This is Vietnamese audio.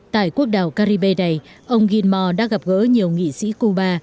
tại quốc đảo caribe này ông gilmo đã gặp gỡ nhiều nghị sĩ cuba